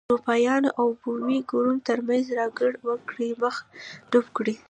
د اروپایانو او بومي وګړو ترمنځ راکړې ورکړې مخه ډپ کړي.